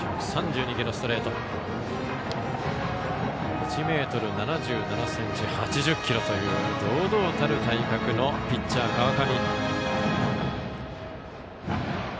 １ｍ７７ｃｍ８０ｋｇという堂々たる体格のピッチャー、川上。